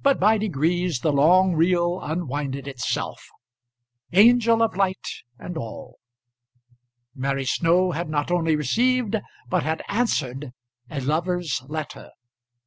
But by degrees the long reel unwinded itself; angel of light, and all. Mary Snow had not only received but had answered a lover's letter.